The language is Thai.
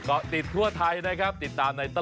เฮ้ยเฮ้ยเฮ้ยเฮ้ยเฮ้ยเฮ้ยเฮ้ยเฮ้ยเฮ้ยเฮ้ยเฮ้ยเฮ้ย